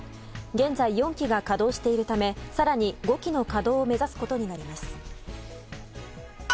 現在、４基が稼働しているため更に５基の稼働を目指すことになります。